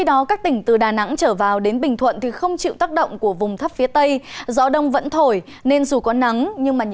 sau đây là dự bắt thời tiết trong ba ngày tại các khu vực trên cả nước